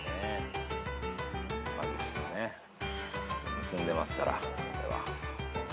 山口とね結んでますからこれは。